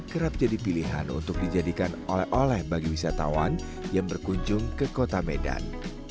kerap jadi pilihan untuk dijadikan oleh oleh bagi wisatawan yang berkunjung ke kota medan